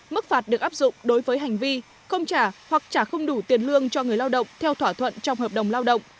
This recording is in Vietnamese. mức phạt được áp dụng đối với hành vi không trả hoặc trả không đủ tiền lương cho người lao động theo thỏa thuận trong hợp đồng lao động